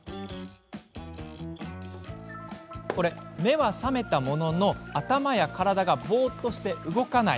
目は覚めたものの頭や体が、ぼーっとして動かない。